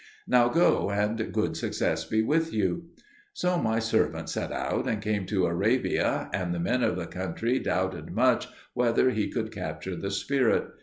Now go, and good success be with you." So my servant set out and came to Arabia; and the men of the country doubted much whether he could capture the spirit.